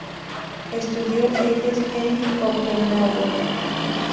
Estudió leyes en Copenhague.